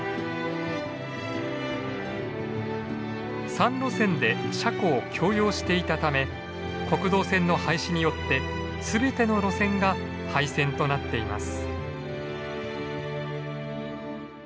３路線で車庫を共用していたため国道線の廃止によって全ての路線が廃線となっています。